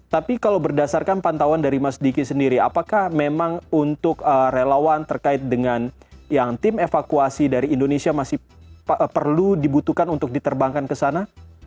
tapi kalau berdasarkan pantauan dari mas diki sendiri apakah memang untuk relawan terkait dengan yang tim evakuasi dari indonesia masih perlu dibutuhkan untuk diterbangkan ke sana